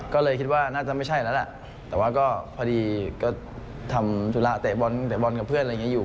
ก็เลยคิดว่าน่าจะไม่ใช่แล้วล่ะแต่ว่าก็พอดีก็ทำจุลาเตะบอลกับเพื่อนอยู่